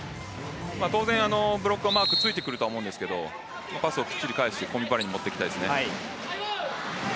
当然ブロックのマークついてくると思うんですけどパスをきっちり返してコンビバレーにつなげていきたいです。